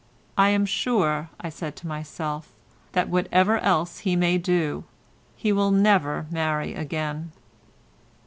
"I am sure," I said to myself, "that whatever else he may do, he will never marry again."